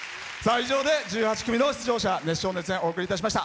以上で１８組の出場者の熱唱・熱演をお送りいたしました。